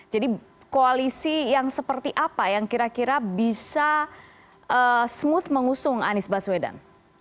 jadi koalisi yang seperti apa yang kira kira bisa smooth mengusung anies baswedan